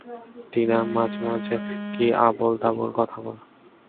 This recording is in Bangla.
টিনা, মাঝে মাঝে, কী আবোল-তাবোল কথা বলো।